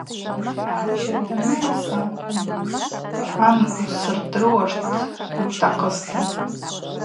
Щарданы йгӏасалхӏвуан: Къвыръан усырдыруаштӏ йутахъызтын.